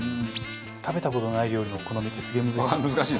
食べた事のない料理のお好みってすげえ難しい。